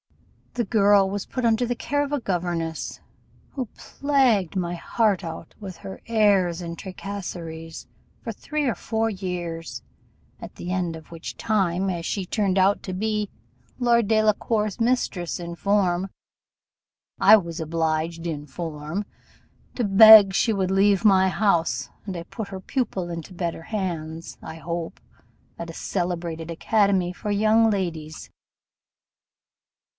The girl was put under the care of a governess, who plagued my heart out with her airs and tracasseries for three or four years; at the end of which time, as she turned out to be Lord Delacour's mistress in form, I was obliged in form to beg she would leave my house: and I put her pupil into better hands, I hope, at a celebrated academy for young ladies.